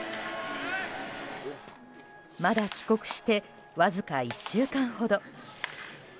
まだ帰国してわずか１週間ほど。